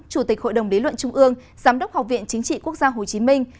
chủ tịch hội đồng lý luận trung ương giám đốc học viện chính trị quốc gia hồ chí minh